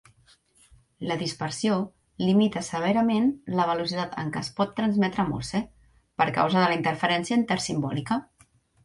La dispersió limita severament la velocitat en que es pot transmetre Morse, per causa de la interferència intersimbòlica.